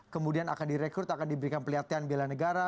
kemudian akan direkrut akan diberikan pelatihan bela negara